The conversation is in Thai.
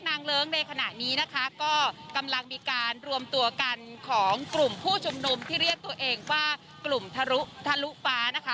ในบริเวณแยกนางเลิ้งในขณะนี้ก็กำลังมีการรวมตัวกันของกลุ่มผู้ชุมนุมที่เรียกตัวเองว่ากลุ่มทะลุฟ้า